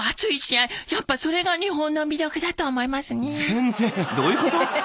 全然どういうこと？